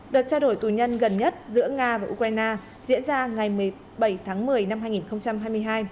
đợt trao đổi tù nhân gần nhất giữa nga và ukraine diễn ra ngày một mươi bảy tháng một mươi năm hai nghìn hai mươi hai